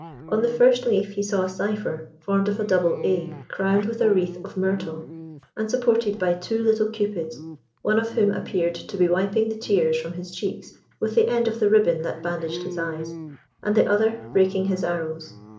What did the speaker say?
On the first leaf he saw a cipher formed of a double A, crowned with a wreath of myrtle, and supported by two little Cupids, one of whom appeared to be wiping the tears from his cheeks with the end of the ribbon that bandaged his eyes, and the other breaking his arrows.